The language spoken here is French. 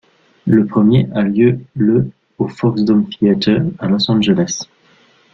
Le premier a lieu le au Fox Dome Theater à Los Angeles.